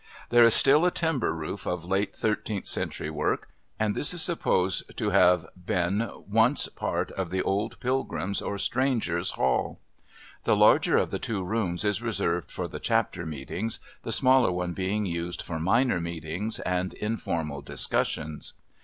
There is still a timber roof of late thirteenth century work, and this is supposed to have been once part of the old pilgrims' or strangers' hall. The larger of the two rooms is reserved for the Chapter Meetings, the smaller being used for minor meetings and informal discussions.